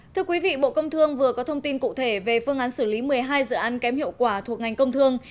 thưa quý vị bộ công thương vừa có thông tin cụ thể về phương án xử lý một mươi hai dự án kém hiệu quả thuộc ngành công thương